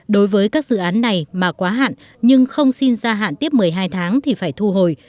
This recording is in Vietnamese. đối với các dự án này mà quá hạn nhưng không xin gia hạn tiếp một mươi hai tháng thì phải thu hồi